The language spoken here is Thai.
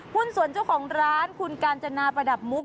หุ้นส่วนเจ้าของร้านคุณกาญจนาประดับมุก